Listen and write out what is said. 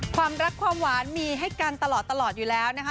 ความรักความหวานมีให้กันตลอดอยู่แล้วนะคะ